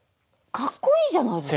かっこいいじゃないですか。